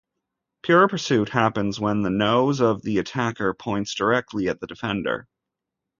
"Pure pursuit" happens when the nose of the attacker points directly at the defender.